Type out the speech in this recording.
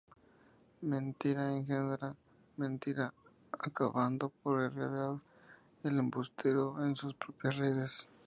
Mentira engendra mentira, acabando por enredar al embustero en sus propias redes.